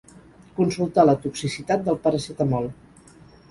Consultar la toxicitat del paracetamol.